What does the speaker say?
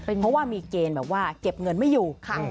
เพราะว่ามีเกณฑ์แบบว่าเก็บเงินไม่อยู่